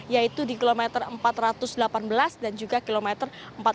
yaitu di kilometer empat ratus delapan belas dan juga kilometer empat puluh